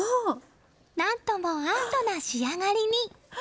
何ともアートな仕上がりに。